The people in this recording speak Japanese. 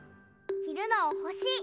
ひるのおほし！